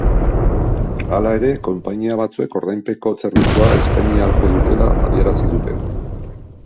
Hala ere, konpainia batzuek ordainpeko zerbitzua eskaini ahalko dutela adierazi dute.